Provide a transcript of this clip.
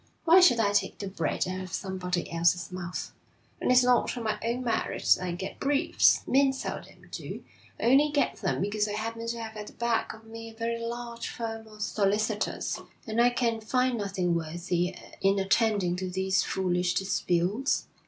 Why should I take the bread out of somebody else's mouth? And it's not on my own merit that I get briefs men seldom do I only get them because I happen to have at the back of me a very large firm of solicitors. And I can find nothing worthy in attending to these foolish disputes.